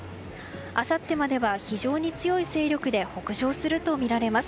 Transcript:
あさってまでは非常に強い勢力で北上するとみられます。